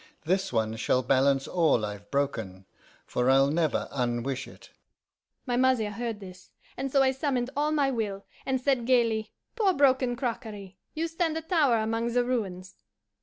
This one shall balance all I've broken, for I'll never unwish it.' "My mother heard this, and so I summoned all my will, and said gaily, 'Poor broken crockery! You stand a tower among the ruins.